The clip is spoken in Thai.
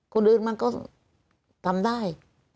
คนอื่นมันก็ทำได้